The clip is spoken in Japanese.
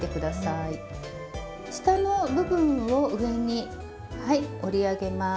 下の部分を上にはい折り上げます。